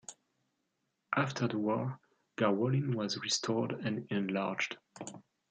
After the war Garwolin was restored and enlarged.